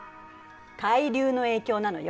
海流の影響なのよ。